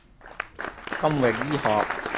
金域醫學